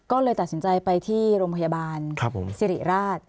ก็เลยตัดสินใจไปที่โรงพยาบาลสิริราช